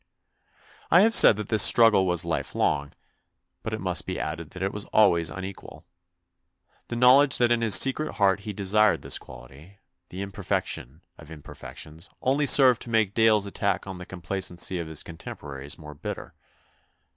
I have said that the struggle was lifelong, but it must be added that it was always un equal. The knowledge that in his secret heart he desired this quality, the imperfection of imperfections, only served to make Dale's attack on the complacency of his contem poraries more bitter.